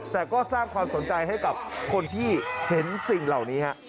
แต่ก็สร้างความสนใจให้กับคนที่เห็นสิ่งเหล่านี้ฮะ